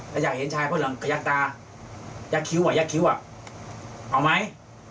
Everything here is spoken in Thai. ถ้าอยากเห็นชายผ้าเหลืองขยักตายักษ์คิ้วยักษ์คิ้วอ่ะเอาไหม